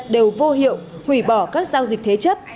đều vô hiệu hủy bỏ các giao dịch thế chấp